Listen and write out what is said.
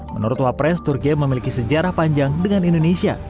menurut wapres turki memiliki sejarah panjang dengan indonesia